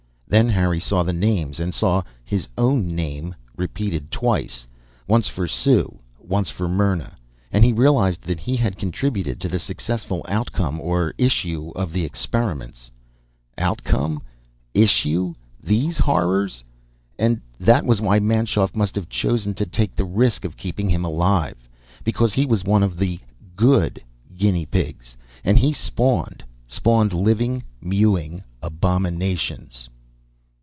Then Harry saw the names, saw his own name repeated twice once for Sue, once for Myrna. And he realized that he had contributed to the successful outcome or issue of the experiments (outcome? Issue? These horrors?) and that was why Manschoff must have chosen to take the risk of keeping him alive. Because he was one of the good guinea pigs, and he had spawned, spawned living, mewing abominations.